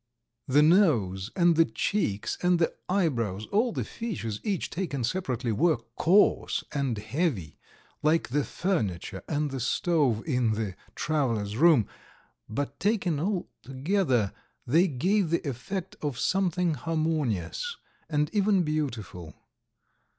... The nose and the cheeks and the eyebrows, all the features, each taken separately, were coarse and heavy, like the furniture and the stove in the "travellers' room," but taken all together they gave the effect of something harmonious and even beautiful.